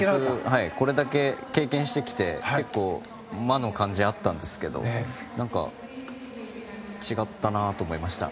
これだけ経験してきて結構、魔の感じがあったんですがなんか違ったなと思いました。